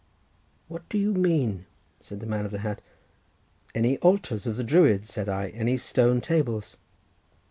"What do you mean?" said the man of the hat. "Any altars of the Druids?" said I; "any stone tables?"